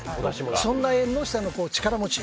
そんな縁の下の力持ち。